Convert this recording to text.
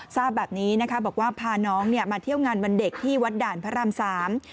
ทราบแบบนี้นะคะบอกว่าพาน้องเนี่ยมาเที่ยวงานวันเด็กที่วัดด่านพระรามสาม